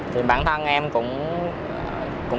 thì bản thân em cũng